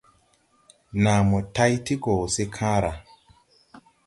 Naa mo tay ti gɔ se kããra.